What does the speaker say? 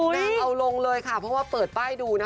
นั่งเอาลงเลยค่ะเพราะว่าเปิดป้ายดูนะคะ